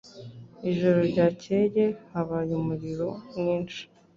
Ijoro ryakeye habaye umuriro mwinshi